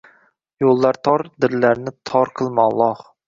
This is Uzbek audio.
Yo‘llar – tor, dillarni tor qilma, Alloh.